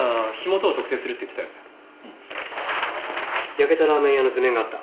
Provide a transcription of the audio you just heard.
焼けたラーメン屋の図面があった。